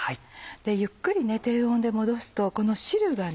ゆっくり低温で戻すとこの汁がね